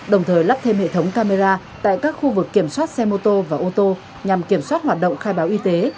đồng thời lắp thêm hệ thống camera tại các khu vực kiểm soát xe mô tô và ô tô nhằm kiểm soát hoạt động khai báo y tế